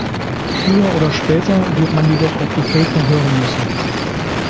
Früher oder später wird man jedoch auf die Völker hören müssen.